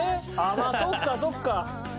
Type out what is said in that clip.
まあそっかそっか。